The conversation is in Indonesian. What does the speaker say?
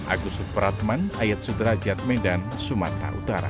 agus supratman ayat sudrajat medan sumatera utara